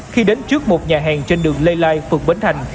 khi đến trước một nhà hàng trên đường lê lai quận bến thành